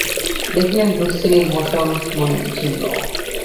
দেখিলেন রুক্মিণীর বসন মলিন, ছিন্ন।